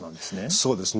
そうですね。